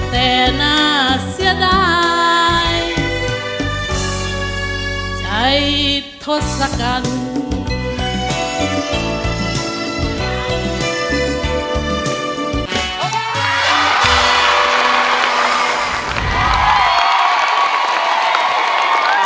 แต่น่าเสียดายใช้ทศกัณฐ์